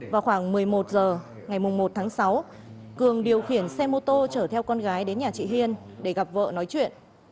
vào khoảng một mươi một h ngày một tháng sáu cường điều khiển xe mô tô chở theo con gái đến nhà chị hiên để gặp vợ nói chuyện